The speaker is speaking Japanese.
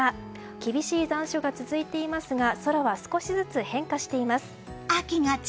厳しい残暑が続いていますが空は少しずつ変化しています。